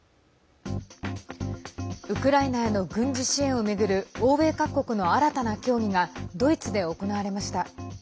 ウクライナへの軍事支援を巡る欧米各国の新たな協議がドイツで行われました。